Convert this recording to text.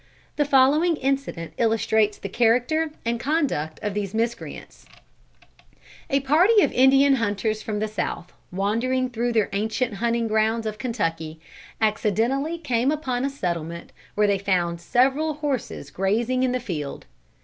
The following incident illustrates the character and conduct of these miscreants: A party of Indian hunters from the South wandering through their ancient hunting grounds of Kentucky, accidentally came upon a settlement where they found several horses grazing in the field.